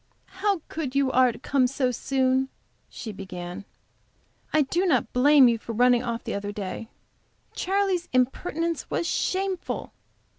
"How good you are to come so soon," she began. "I did not blame you for running off the other day; Charley's impertinence was shameful.